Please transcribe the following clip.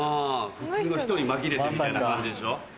普通の人に紛れてみたいな感じでしょ？